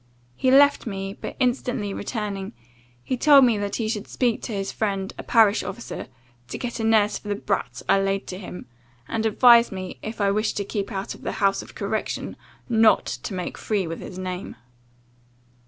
He left me; but, instantly returning, he told me that he should speak to his friend, a parish officer, to get a nurse for the brat I laid to him; and advised me, if I wished to keep out of the house of correction, not to make free with his name.